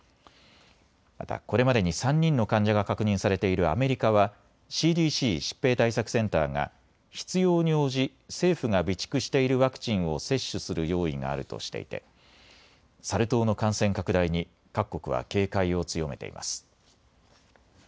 また、これまでに３人の患者が確認されているアメリカはＣＤＣ・疾病対策センターが必要に応じ政府が備蓄しているワクチンを接種する用意があるとしていてサル痘の感染拡大に各国は警戒を強めています。